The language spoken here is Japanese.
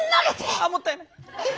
あもったいない。